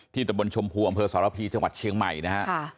ที่ตะบลชมภูอำเภอสรพีจังหวัดเชียงใหม่นะฮะค่ะ